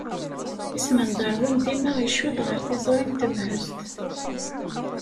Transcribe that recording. Isem n Darwin dima icudd ɣer tiẓri n temhezt.